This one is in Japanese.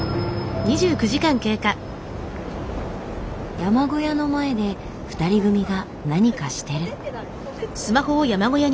山小屋の前で２人組が何かしてる。